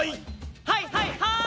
はいはいはい！